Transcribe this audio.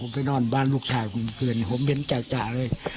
ไปนอนบ้านลูกชายคุณเพื่อนผมเห็นจ่ะเลย